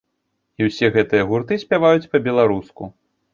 І ўсе гэтыя гурты спяваюць па-беларуску.